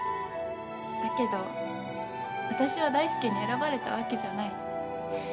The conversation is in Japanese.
だけど私は大介に選ばれたわけじゃない。